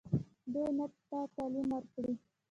دوی ته تعلیم ورکړئ